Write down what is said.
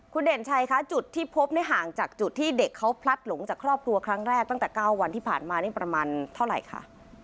คุณเด่นชัยคะจุดที่พบเนี่ยห่างจากจุดที่เด็กเขาพลัดหลงจากครอบครัวครั้งแรกตั้งแต่๙วันที่ผ่านมานี่ประมาณเท่าไหร่คะ